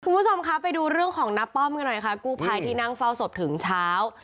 คุณผู้ชมคะไปดูเรื่องของน้าป้อมกันหน่อยค่ะกู้ภัยที่นั่งเฝ้าศพถึงเช้า